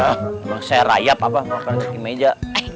eh mah saya rayap apa makan kaki meja